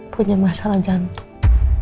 punya masalah jantung